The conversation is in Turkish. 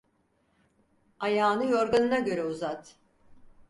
Ayağını yorganına göre uzat.